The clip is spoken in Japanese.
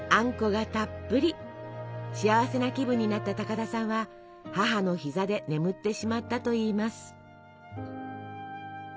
幸せな気分になった高田さんは母の膝で眠ってしまったといいます。